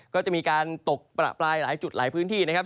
ก็จะมีการตกประปรายหลายจุดหลายพื้นที่นะครับ